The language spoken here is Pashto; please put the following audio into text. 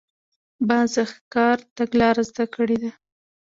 باز د ښکار تګلاره زده کړې ده